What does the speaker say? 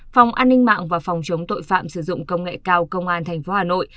phòng an ninh mạng và phòng chống tội phạm sử dụng công nghệ cao công an tp hà nội